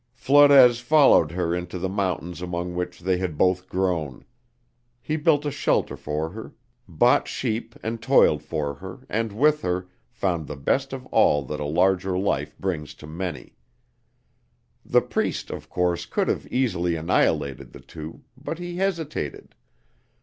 Flores followed her into the mountains among which they had both grown. He built a shelter for her, bought sheep and toiled for her, and with her, found the best of all that a larger life brings to many. The Priest, of course, could have easily annihilated the two, but he hesitated.